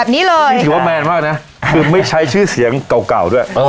แบบนี้เลยถือว่าแมนมากนะคือไม่ใช้ชื่อเสียงเก่าเก่าด้วยเออ